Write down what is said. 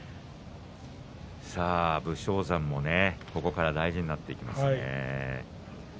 武将山もここから大事になってきますね。